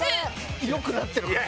良くなってるから。